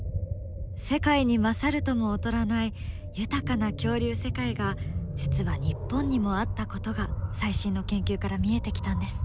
世界に勝るとも劣らない豊かな恐竜世界が実は日本にもあったことが最新の研究から見えてきたんです。